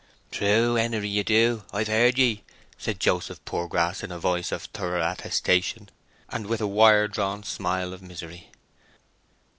"True, Henery, you do, I've heard ye," said Joseph Poorgrass in a voice of thorough attestation, and with a wire drawn smile of misery.